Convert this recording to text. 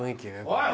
おい！